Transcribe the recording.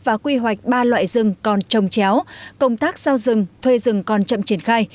và quy hoạch ba loại rừng còn trồng chéo công tác sao rừng thuê rừng còn chậm triển khai